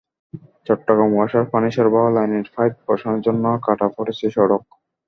চট্টগ্রাম ওয়াসার পানি সরবরাহ লাইনের পাইপ বসানোর জন্য কাটা পড়েছে সড়ক।